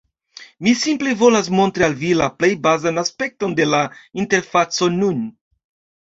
Mi simple volas montri al vi la plej bazan aspekton de la interfaco nun.